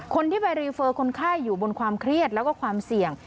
คนที่ไปรีเฟอร์คนไข้อยู่บนความเครียดแล้วก็ความเสี่ยง